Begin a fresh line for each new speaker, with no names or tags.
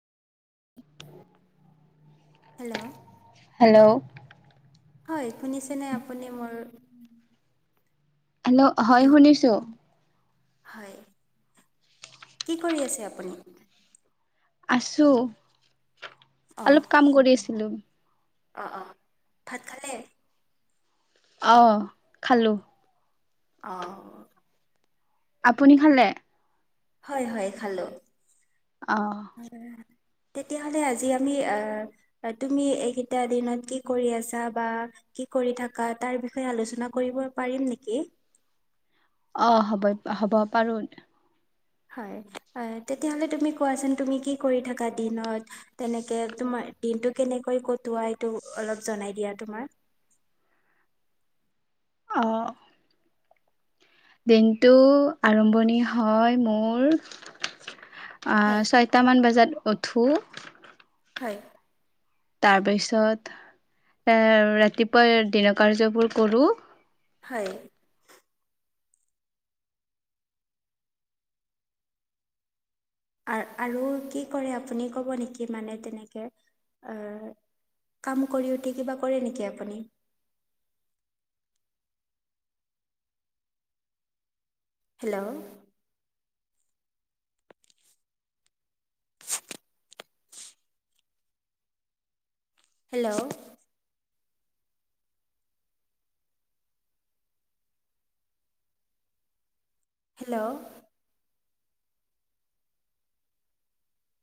Hello
hello
হয় শুনিছেনে আপুনি মোৰ
হেল্ল' হয় শুনিছোঁ।
হয় কি কৰি আছে আপুনি?
আছো অলপ কাম কৰি আছিলোঁ।
অ', অ', ভাত খালে?
অ', খালোঁ।
অ',
আপুনি খালে?
হয়, হয় খালোঁ।
অ',
তেতিয়া হ'লে আজি আমি আ তুমি এইকেইটা দিনত কি কৰি আছা বা কি কৰি থাকা তাৰ বিষয়ে আলোচনা কৰিব পাৰিম নেকি?
অ', হ'ব, হ'ব পাৰো।
হয়, তেতিয়া হ'লে তুমি কোৱাচোন তুমি কি কৰি থাকা দিনত? তেনেকে তোমাৰ দিনটো কেনেকৈ কটোৱা এইটো অলপ জনাই দিয়া তোমাৰ?
অ', দিনটো আৰম্ভণি হয় মোৰ আ
হয়
ছৈটা মান বজাত উঠো
হয়,
তাৰপিছত ৰাতিপুৱা দিনৰ কাৰ্য্যবোৰ কৰোঁ।
হয়, আৰু কি কৰে আপুনি ক'ব নেকি মানে তেনেকে আ কাম কৰি উঠি কিবা কৰে নেকি আপুনি? Hello [inaudible] hello hello